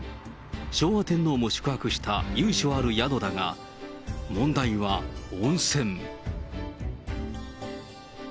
昭和天皇も宿泊した由緒ある宿だが、問題は温泉。